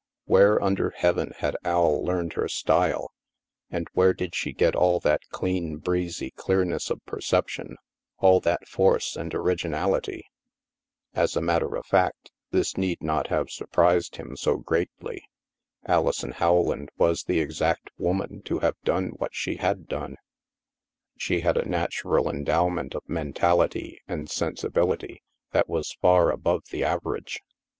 Where under heaven had Al learned her style, and where did she get all that clean breezy clearness of perception, all that force and originality ? As a matter of fact, this need not have surprised him so greatly. Alison Howland was the exact woman to have done what she had done. She had a natural endowment of mentality and sensibility that was far above the average.